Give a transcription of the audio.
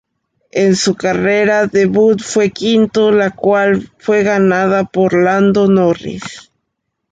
En su carrera debut fue quinto, la cual fue ganada por Lando Norris.